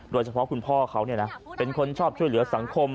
โดยเฉพาะคุณพ่อเขาเป็นคนชอบช่วยเหลือสังคม